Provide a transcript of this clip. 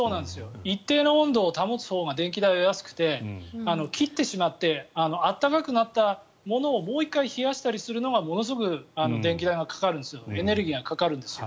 一定の温度を保つほうが電気代は安くて切ってしまって暖かくなったものをもう１回冷やしたりするのがものすごく電気代がかかるエネルギーがかかるんですよ。